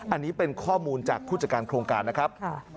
อันนี้เป็นข้อมูลจากผู้จัดการโครงการนะครับ